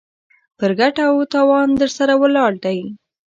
پر ګټه و تاوان درسره ولاړ دی.